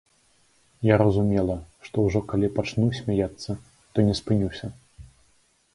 Я разумела, што ўжо калі пачну смяяцца, то не спынюся.